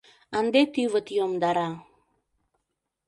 Ынде тӱвыт йомдара...